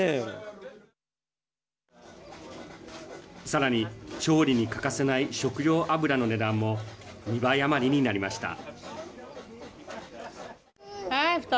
さらに調理に欠かせない食用油の値段も２倍余りになりました。